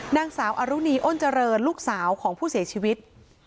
นางสาวอรุณีอ้นเจริญลูกสาวของผู้เสียชีวิต